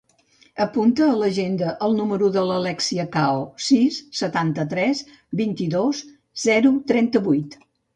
Apunta a l'agenda el número de l'Alèxia Cao: sis, setanta-tres, vint-i-dos, zero, trenta-vuit.